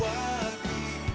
sekarang nanti bisa dileprik